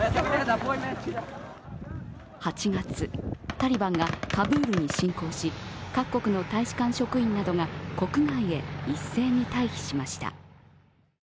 ８月、タリバンがカブールに侵攻し各国の大使館職員などが国外へ一斉に退避しました。